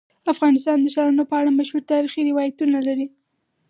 افغانستان د ښارونه په اړه مشهور تاریخی روایتونه لري.